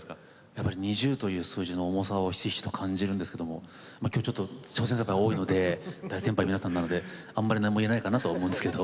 やっぱり２０という数字の重さをひしひしと感じるんですけども今日ちょっと諸先輩方多いので大先輩の皆さんなのであまり何も言えないかなと思うんですけど。